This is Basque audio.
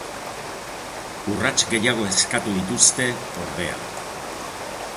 Urrats gehiago eskatu dituzte, ordea.